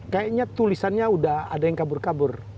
kayaknya tulisannya udah ada yang kabur kabur